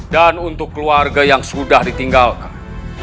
dan untuk keluarga yang sudah ditinggalkan